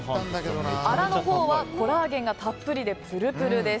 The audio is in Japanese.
アラのほうはコラーゲンがたっぷりでぷるぷるです。